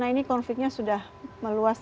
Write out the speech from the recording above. karena konfliknya sudah meluas